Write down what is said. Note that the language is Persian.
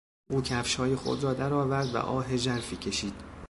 او کفشهای خود را درآورد و آه ژرفی کشید.